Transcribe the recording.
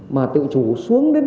mà tự chủ xuống đến